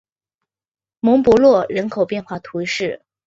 蒙博洛人口变化图示